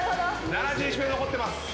７１秒残ってます。